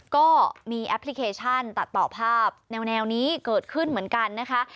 ก็มีแอปพลิเคชันตัดต่อภาพแนวนี้เกิดขึ้นเหมือนกันนะคะ